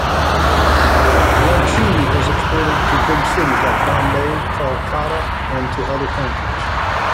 Lychee is exported to big cities like Bombay, Kolkata and to other countries.